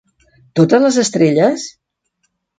Totes les estrelles?